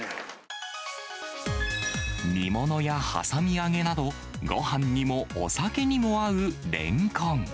煮物やはさみ揚げなど、ごはんにもお酒にも合うレンコン。